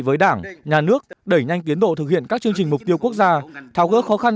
với đảng nhà nước đẩy nhanh tiến độ thực hiện các chương trình mục tiêu quốc gia tháo gỡ khó khăn